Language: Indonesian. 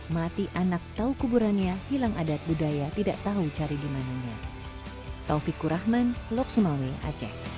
mati anak tau kuburannya hilang adat budaya tidak tahu cari dimanunya